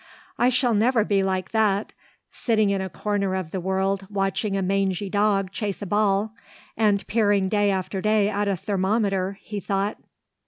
"I shall never be like that, sitting in a corner of the world watching a mangy dog chase a ball and peering day after day at a thermometer," he thought.